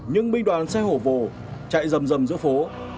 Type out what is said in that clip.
những binh đoàn xe hổ vồ chạy dầm dầm giữa phố